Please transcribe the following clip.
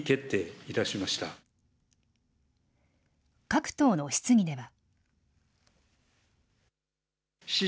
各党の質疑では。